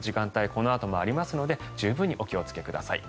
このあともありますので十分にお気をつけください。